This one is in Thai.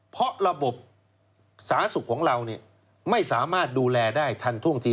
เพราะระบบสาธารณสุขของเราไม่สามารถดูแลได้ทันท่วงที